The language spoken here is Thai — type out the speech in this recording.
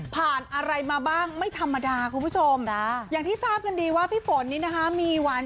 ผ่านอะไรมาบ้างไม่ธรรมดาคุณผู้ชม